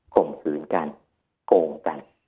ข่มขืนกันโกงกัน